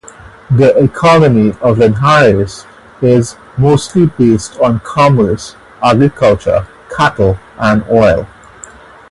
The economy of Linhares is mostly based on commerce, agriculture, cattle and oil.